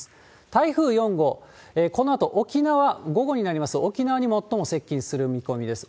台風４号、このあと沖縄、午後になりますと沖縄に最も接近する見込みです。